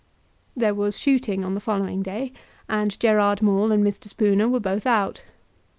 There was shooting on the following day, and Gerard Maule and Mr. Spooner were both out.